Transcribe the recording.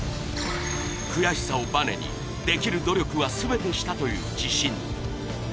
悔しさをバネにできる努力はすべてしたという自信。